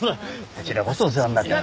こちらこそお世話になってます。